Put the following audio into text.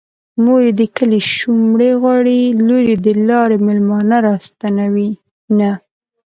مور يې د کلي شومړې غواړي لور يې د لارې مېلمانه راستنوينه